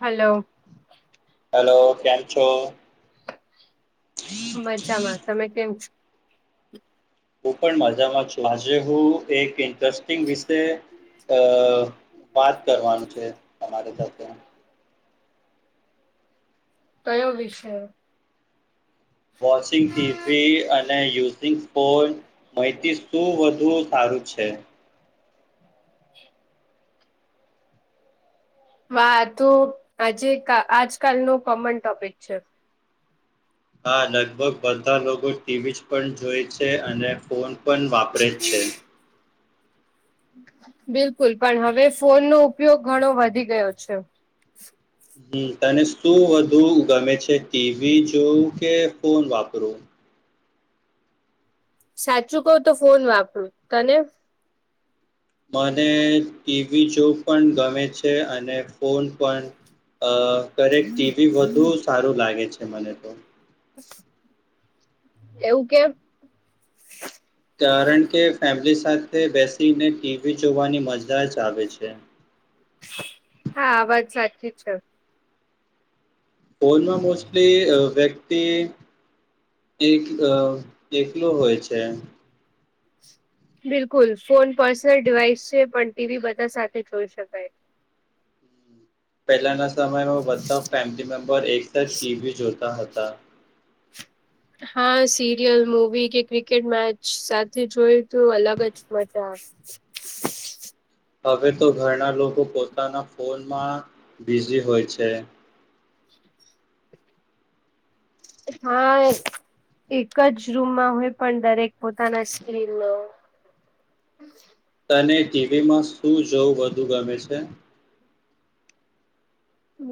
Hello hello કેમ છો મજામાં તમે કેમ છો હું પણ મજામાં છજ હું એક ઇન્ટરેસ્ટ વિશે અ વાત કરવાનું છે તમારી સાથે કયો વિષયો વોશિંગ થ હતીઈ અને યુઝિંગ પણ માહિતી શું વધુ સારું છે? વાતો આજે આજકાલનનું કોમન ટોપિક છે. હા લગભગ બધા લોકો ટીવી પણ જોય છે અને ફોન પણ વાપરે જ છે [inaudible] બિલકુલ પણ હવે ફોનનોો ઉપયોગ ઘણો વધી ગયો છે હમ તને શું વધુ ગમે છે ટીવી જોવું કે ફોન વાપરવું સાચું કવ તો ફોન વાપરું તને મને ટીવી જો પણ ગમે છે અને ફોન પણ અ કરેક ટીવી વધુ સારું લાગે છે મને તો એવું કેમ કારણ કે ફેમિલી સાથે બેસીને ટીવી જોવાની મજા જ આવે છે હા આ વાત સાચી છે ફોનમાં મોસ્ટલી વ્યક્તિ એક એકલો હોય છે. બિલકુલ ફોન પર્સનલ ડિવાઈસ છે પણ ટીવી બધા સાથે જોઈ શકાય. પહેલાના સમયમાં બધા ફેમિલી મેમ્બર એક સાથે ટીવી જોતા હતા. હા, સિરિયલ, મૂવી કે ક્રિકેટ મેચ સાથે જોય તો અલગ જ મજા આવે. [inaudible] હવે તો ઘરના લોકો પોતાના ફોનમાં બિઝી હોય છે. હા, એક જ રૂમમાં હોય, પણ દરેક પોતાના સ્ક્રીન નો તને ટીવીમાં શું જોવું વધુ ગમે છે?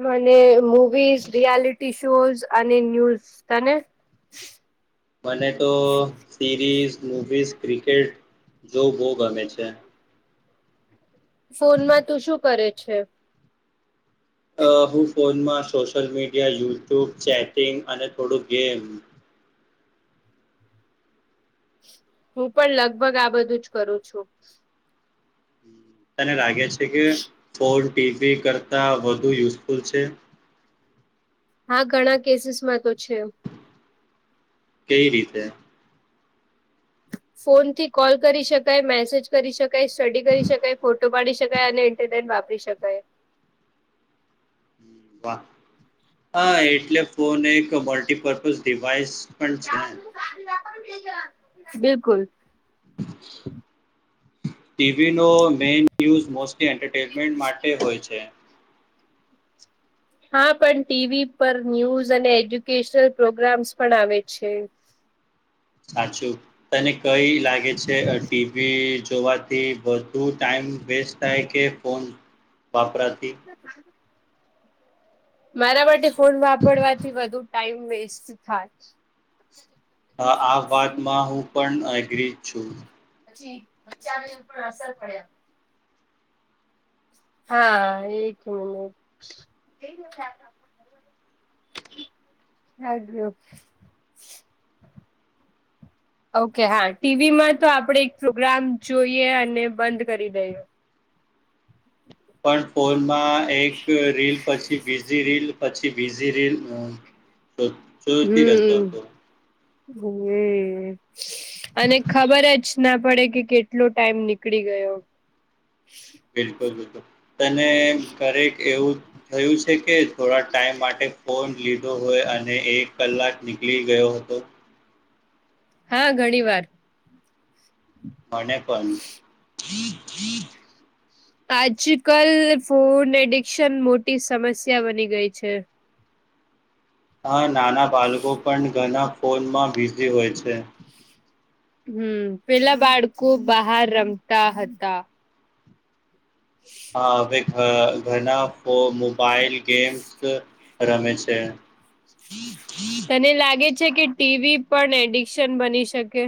મને મુવીઝ, રિયાલિટી શોઝ અને ન્યૂઝ. તને? મને તો સિરીઝ, મવીઝ, ક્રિકેટ જોવું બહુ ગમે છે. ફોનમાં તું શું કરે છે? અ હું ફોનમાં સોશિયલ મીડિયા, યુટ્યુબ, ચેટિંગ અને થોડું ગેમ હું પણ લગભગ આ બધું જ કરું છુ. તને લાગે છે કે ફોન, ટીવી કરતા વધુ યુઝફુલ છે. હા, ઘણા કેસીસમાં તો છે. કઈ રીતે ફોનથી કોલ કરી શકાય, મેસેજ કરી શકાય, સ્ટડી કરી શકાય, ફોટો પાડી શકાય અને ને વાપરી શકાય. હ હા, એટલે ફોન એક મલ્ટીપર્પઝ ડિવાઈસ પણ છે. બિલકુલ. [inaudible] ટીવીનો મેઈન ન્યુઝ મોસ્ટલી એન્ટરટેનમેન્ટ માટે હોય છે. હા, પણ ટીવી પર ન્યુઝ અને એજ્યુકેશનલ પ્રોગ્રામ્સ પણ આવે છે. સાચુ તને કઈ લાગે છે? ટીવી જોવાથી બધુ ટાઈમ વેસ્ટ થાય કે ફોન વાપરાતીથી [inaudible] મારા માટે ફોન વાપરવાથી વધુ ટાઈમ વેસ્ટ થાય. આ વાતમાં હું પણ એગ્રીજ છુ. પછી બચ્ચાની પણ અસર પડે હા, એક મિનિટ [unintelligible] ઓકે હા. ટીવીમાં તો આપણે એક પ્રોગ્રામ જોઈએ અને બંધ કરી દઈએ. પણ ફોનમાં એક રીલ પછી બીઝી રીલ પછી બીઝી રીલ જોતી રહેતો હતો હમ હ અને ખબર જ ના પડે કે કેટલો ટાઈમ નીકળી ગયો. બિલકુલ. તને કરેક એવું થયું છે, કે થોડા ટાઈમ માટે ફોન લીધો હોય અને એક કલાક નીકળી ગયો હતો. હા, ઘણી વાર મને પણ આજકલ ફોન એડિક્શન મોટી સમસ્યા બની ગઈ છે. આ નાના બાળકો પણ ઘણા ફોનમાં બિઝી હોય છે. હમ. પેલા બાળકો બહાર રમતા હતા. ઓ મોબાાઈલ ગેમ્સ રમે છે. તને લાગે છે કે ટીવી પણ એડિક્શન બની શકે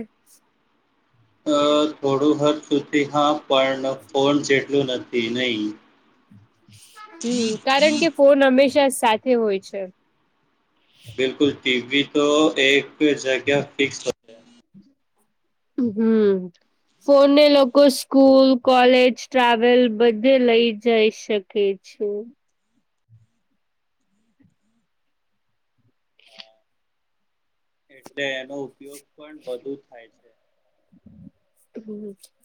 અ થોડું હદ સુધી હા પણ ફોન જેટલું નથી નહી. હમ. કારણ કે ફોન હંમેશા સાથે હોય છે. બિલકુલ. ટીવી તો એક જગ્યા ફિક્સ હોય. હમ્મ ફોનને લોકો સ્કૂલ કોલેજ ટ્રાવેલ બધે લઈ જઈ શકે [inaudible] એટલે એનો ઉપયોગ પણ વધુ થાય છે.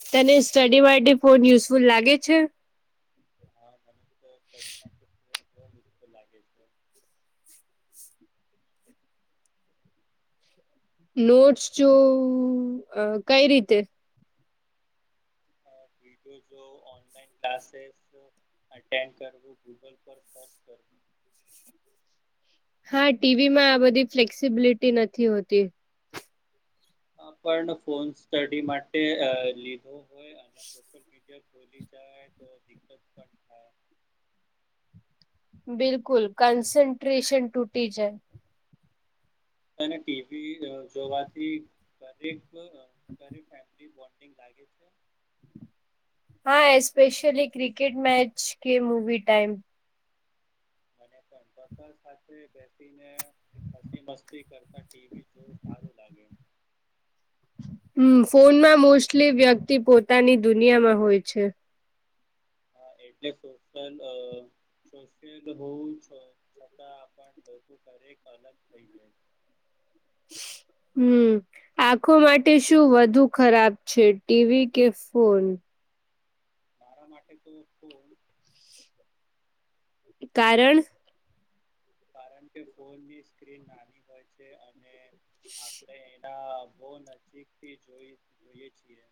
હ તને સ્ટડી માટે ફોન યુઝફુલ લાગે છે. [inaudible] નોટ્સ જો કઈ રીતે જો ઓનલાઈન ક્લાસેસ અટેન્ડ કરવું ગૂગલ પર સર્ચ કરવું હા ટીવી માં આ બધી ફ્લેક્સિબિલિટી નથી હોતી. ફોન સડી માટે લીધો હોય અને મી પોલી જાય તો દકત પણ થાય. બિલકુલ કન્સન્ટ્રેશન ટૂટી જયા તને ટીવી જોવાથી. રે ફેમલી બોન્ડિંગ લાગે છે. હા એસ્પેશલી ક્રિકેટ મેચ કે મૂવી ટાઈમ અને પણતા સાથે બેસીને મસી મસ્તી કરતા ટીવી જોવું સારું લાગ્યુ હમ ફોનમાં મોસ્ટલી વ્યક્તિ પોતાની દુનિયામાં હોય છે. હા એટલે સોશલ અ. સો હોવું છતાં પણ લોકો ઘરેક અલગ થઈ જાય. હમ આખો માટે શું વધુ ખરાબ છે, ટીવી કે ફોન. મારા માટે તો ફોન. કારણ. કાર કે ફોનની સ્ક્રીન નાની હોય છે, અને આપણે એના. બહ નજીક થી જોઈ જોઈએ છીએ.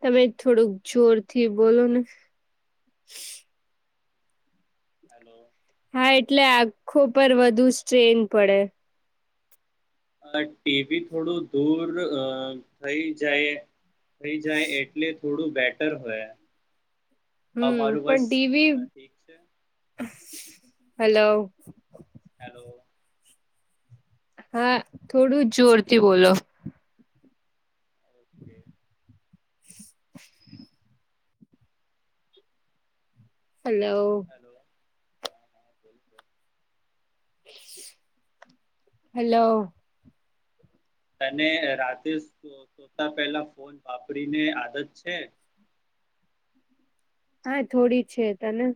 તમે થોડુંક જોરથી બોલો ને. હલો. હા એટલે આંખો પર વધુ સ્ટ્રેન પડે. [unintelligible] ટીવી થોડું દૂર [unintelligible] થઈ જાય. થઈ જાય એટલે થોડું બેટર હોય. હવે હમ મારું પણ બસ ટીવી અ, ઠીક છે હલો. હેલો. હા થોડું જ જોરથી બોલો. [inaudible] [inaudible] હલો. [unintelligible] હેલો. તને રાતે સોતા પહેલા ફોન વાપરીને આદત છે. હા થોડી છે, તને.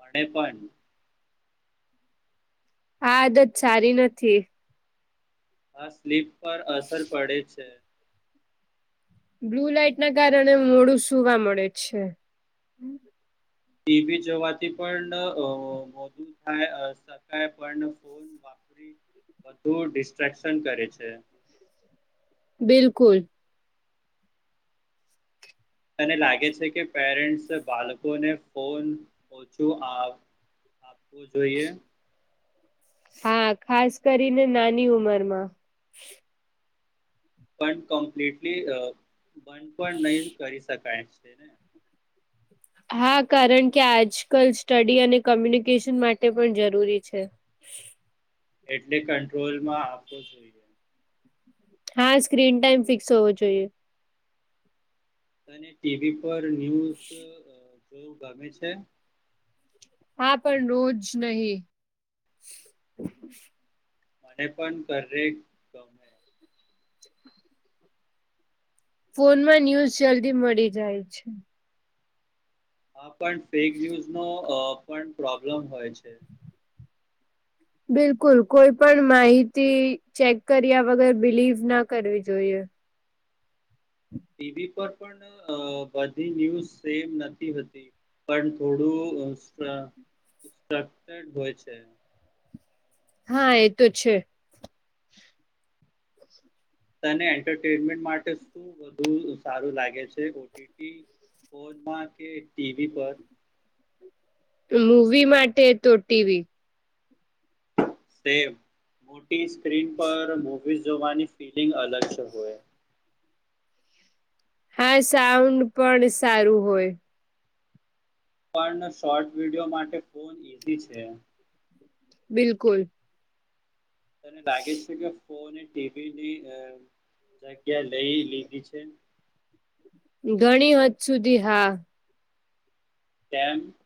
મને પણ. હા આદત સારી નથી. આ સ્લીપ પર અસર પડે છે. બ્લુ લાઈટ ના કારણે મોડું સુવા મળે છે. ટીવી જવાથી પણ [unintelligible] ક પણ ફોન વાપરી વધુ ડિસ્ટ્રક્શન કરે છે. બિલકુલ. તને લાગે છે, કે પેરેન્ટ્સ બાળકોને ફોન [unintelligible] જોઈએ. હા ખાસ કરીને નાની ઉંમર માં. પણ કમ્પ્લીટલી બંધ પણ નહી કરી શકાય છે, ને. હા કારણ કે આજ કલ સ્ટડી અને કમ્યુનિકેશન માટે પણ જરૂરી છે. એટલે કંટ્રોલ માં. હા સ્ક્રીન ટાઈમ ફિક્સ હોવો જોઈએ. અને ટીવી પર ન્યુઝ જોવું ગમે છે. હા પણ રોજ [unintelligible] મને પણ [unintelligible] [unintelligible] ફોનમાં ન્યૂઝ જલ્દી મળી જાય છે. હા પણ ફેક ન્યુઝ નો પણ પ્રોબ્લેમ હોય છે. બિલકુલ કોઈ પણ માહિતી ચેક કર્યા વગર બિલીવ ના કરવી જોઈએ. ટીવી પર પણ બધી ન્યુઝ સેમ નથી હતી. પણ થોડુંક [unintelligible] હોય છે. હા એ તો છે તનેએરટેમેન્ટ માટે [unintelligible] વધુ સારું લાગે છે ઓ. ટી. ટી ફોનમાં કે ટીવી પર. મૂવી માટે તો ટીવી. મોટી સ્ક્રીન પર મુવીઝ જોવાની ફિલિંગ અલગ હોય. હા સાઉન્ડ પણ સારું હોય. પણ શોર્ટ [unintelligible] માટે [unintelligible] ઈઝી છે. બિલકુલ. તને લાગે છે, કે ફોન ટીવીની જગ્યા લઈ લીધી છે. ઘણી હદ સુધી હા [unintelligible]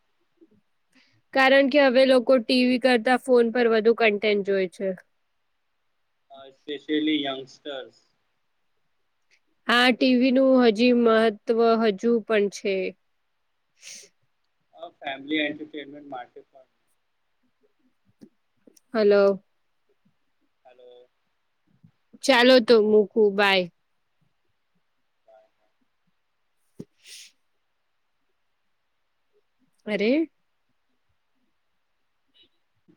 કારણ કે હવે લોકો ટીવી કરતા ફોન પર વધુ કન્ટેન્ટ જોય છે. સ્પેેશયલી યંગસ્ટર્સ હા ટીવી નું હજી મહત્વ હજુ પણ છે. ફેમિલી એન્ટરટટેનમેન્ટ માટે [unintelligible] હલો હલો ચાલો તો મૂકું બાય અરે હમ